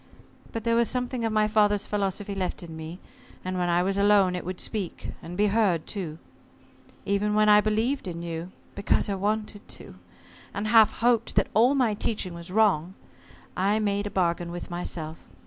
But there was something of my father's philosophy left in me, and when I was alone it would speak, and be heard, too. Even when I believed in you because I wanted to and half hoped that all my teaching was wrong, I made a bargain with myself.